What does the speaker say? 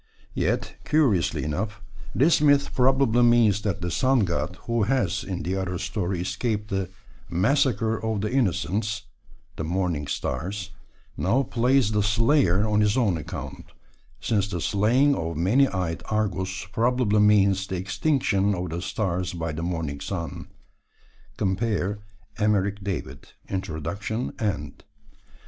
Yet, curiously enough, this myth probably means that the Sun God, who has in the other story escaped the "massacre of the innocents" (the morning stars), now plays the slayer on his own account, since the slaying of many eyed Argus probably means the extinction of the stars by the morning sun (cp. Emeric David, Introduction, end).